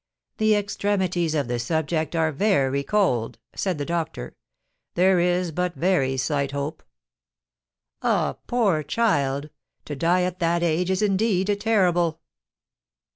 "The extremities of the subject are very cold," said the doctor; "there is but very slight hope." "Ah, poor child! To die at that age is indeed terrible!"